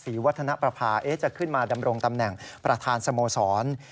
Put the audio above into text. วัฒนประภาจะขึ้นมาดำรงตำแหน่งประธานสโมสร